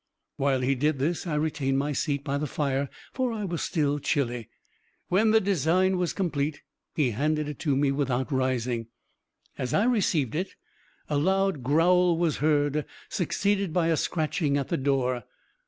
While he did this, I retained my seat by the fire, for I was still chilly. When the design was complete, he handed it to me without rising. As I received it, a loud growl was heard, succeeded by a scratching at the door.